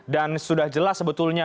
dan sudah jelas sebetulnya